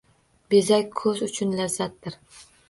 Bezak ko‘z uchun lazzatdir.